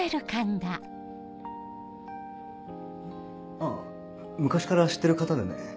あぁ昔から知ってる方でね。